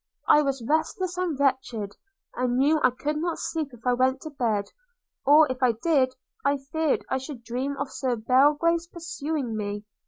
I was restless and wretched, and knew I could not sleep if I went to bed; or, if I did, I feared I should dream of Sir John Belgrave's pursuing me.